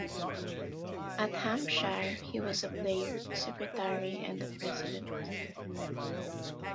At Hampshire, he was a player, secretary and the president.